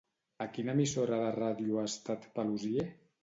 A quina emissora de ràdio ha estat Paluzie?